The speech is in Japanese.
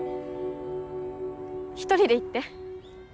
１人で行って。